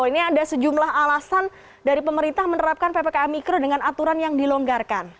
ini ada sejumlah alasan dari pemerintah menerapkan ppkm mikro dengan aturan yang dilonggarkan